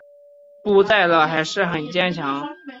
不在了还是很坚强